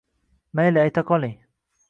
Mayli, ayta qoling.